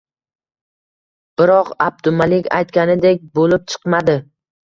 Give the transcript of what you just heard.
Biroq, Abdumalik aytganidek bo`lib chiqmadi